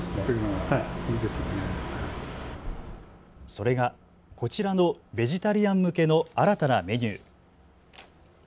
それがこちらのベジタリアン向けの新たなメニュー。